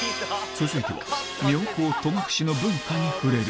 続いては妙高戸隠の文化に触れる